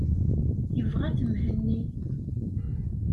Yebɣa-t Mhenni.